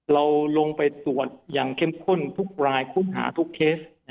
เราลงไปตรวจอย่างเข้มข้นทุกรายทุกหาทุกเคส